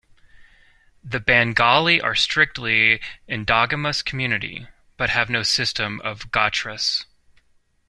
The Bangali are strictly endogamous community, but have no system of gotras.